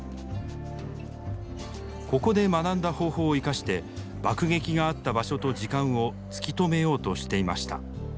ここで学んだ方法を生かして爆撃があった場所と時間を突き止めようとしていました。